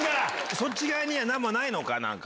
そっち側にはなんもないのか、なんか。